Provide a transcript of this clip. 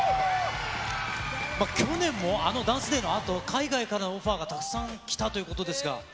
去年も、あのＤＡＮＣＥＤＡＹのあと、海外からオファーがたくさん来たということですが。